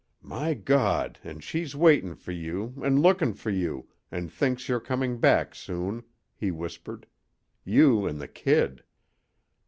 "My Gawd, an' she's waitin' for you, 'n' looking for you, an' thinks you're coming back soon," he whispered. "You 'n' the kid!"